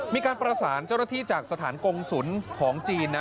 มีการประสานเจ้าหน้าที่จากสถานกงศุลของจีนนะ